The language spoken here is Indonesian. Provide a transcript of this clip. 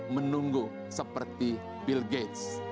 menunggu seperti bill gates